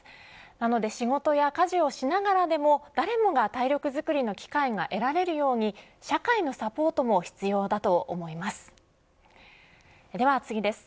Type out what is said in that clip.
なので仕事や家事をしながらでも誰もが体力づくりの機会が得られるように社会のサポートも必要だと思います。